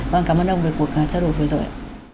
vâng cảm ơn ông về cuộc trao đổi vừa rồi